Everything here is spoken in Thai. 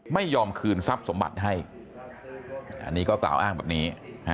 ไม่ยอมคืนทรัพย์สมบัติให้อันนี้ก็กล่าวอ้างแบบนี้